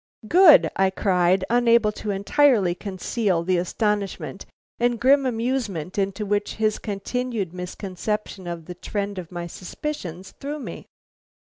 "Good!" I cried, unable to entirely conceal the astonishment and grim amusement into which his continued misconception of the trend of my suspicions threw me.